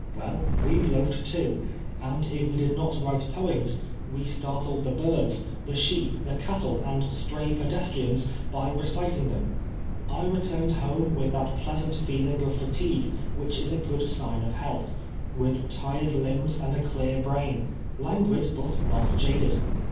Well, we loafed too, and if we did not write poems, we startled the birds, the sheep, the cattle, and stray pedestrians, by reciting them. I returned home with that pleasant feeling of fatigue which is a good sign of health — ^with tired limbs and a clear brain, languid but not jaded.